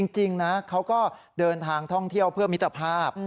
จริงนะเขาก็เดินทางท่องเที่ยวเพื่อมิตรภาพ